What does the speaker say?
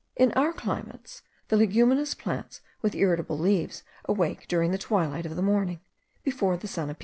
In our climates, the leguminous plants with irritable leaves awake during the twilight of the morning, before the sun appears.